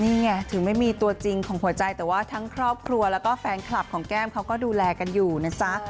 นี่ไงถึงไม่มีตัวจริงของหัวใจแต่ว่าทั้งครอบครัวแล้วก็แฟนคลับของแก้มเขาก็ดูแลกันอยู่นะจ๊ะ